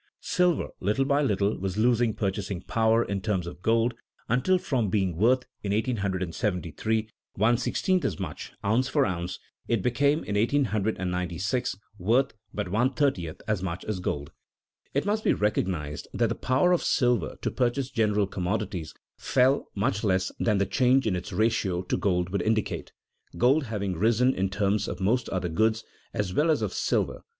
Silver, little by little, was losing purchasing power in terms of gold, until from being worth, in 1873, one sixteenth as much, ounce for ounce, it became, in 1896, worth but one thirtieth as much as gold. It must be recognized that the power of silver to purchase general commodities fell much less than the change in its ratio to gold would indicate, gold having risen in terms of most other goods as well as of silver.